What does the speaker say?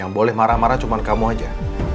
yang boleh marah marah cuma kamu aja